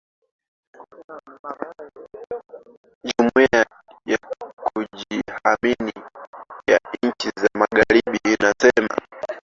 jumuia ya kujihami ya nchi za magharibi imesema